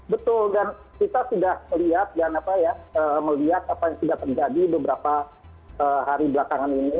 betul dan kita sudah lihat dan melihat apa yang sudah terjadi beberapa hari belakangan ini